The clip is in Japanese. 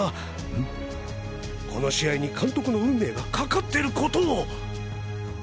この試合に監督の運命がかかってることを。